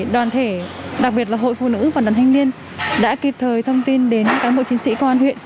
đoàn thể đặc biệt là hội phụ nữ và đoàn thanh niên đã kịp thời thông tin đến cán bộ chiến sĩ công an huyện